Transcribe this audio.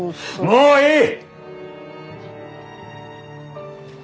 もういい！